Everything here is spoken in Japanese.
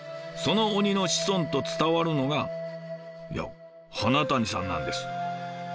その鬼の子孫と伝わるのがいや花谷さんなんです。